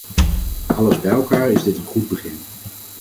Alles bij elkaar is dit een goed begin.